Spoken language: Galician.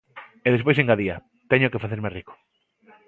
E despois engadía: Teño que facerme rico.